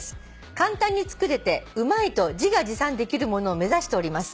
「簡単に作れてうまいと自画自賛できるものを目指しております。